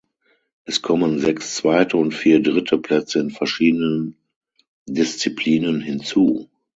Es kommen sechs zweite und vier dritte Plätze in verschiedenen Disziplinen hinzu.